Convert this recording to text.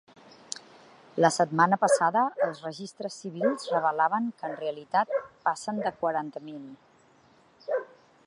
La setmana passada, els registres civils revelaven que en realitat passen de quaranta mil.